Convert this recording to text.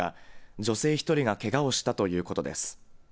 女性１人がけがをしたということです。